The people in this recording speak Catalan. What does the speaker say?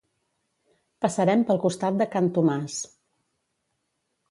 Passarem pel costat de can Tomàs